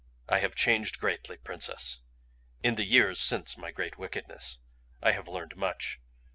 "I have changed greatly, Princess, in the years since my great wickedness; I have learned much.